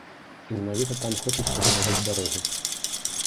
І менавіта там хочуць пабудаваць дарогу.